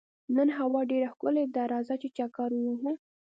نن هوا ډېره ښکلې ده، راځه چې چکر ووهو.